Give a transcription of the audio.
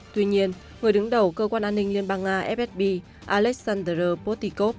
tuy nhiên người đứng đầu cơ quan an ninh liên bang nga fsb alexander potikov